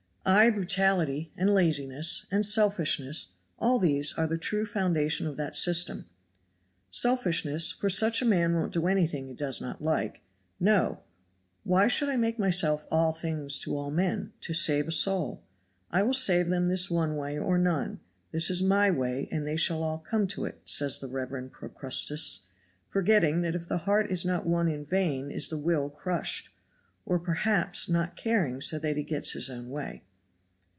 Ay, brutality, and laziness, and selfishness, all these are the true foundation of that system. Selfishness for such a man won't do anything he does not like. No! "Why should I make myself 'all things to all men' to save a soul? I will save them this one way or none this is my way and they shall all come to it," says the reverend Procrustes, forgetting that if the heart is not won in vain is the will crushed; or perhaps not caring so that he gets his own way.